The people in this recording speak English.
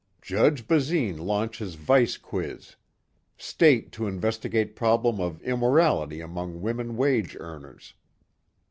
"Judge Basine Launches Vice Quiz. State to Investigate Problem of Immorality Among Women Wage Earners...."